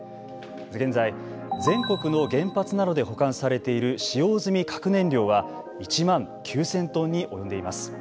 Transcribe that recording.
現在、全国の原発などで保管されている使用済み核燃料は１万９０００トンに及んでいます。